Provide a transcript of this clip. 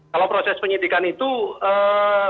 kalau proses penyidikan itu kita harus menghargai